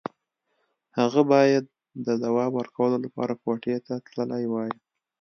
هغه بايد د ځواب ورکولو لپاره کوټې ته تللی وای.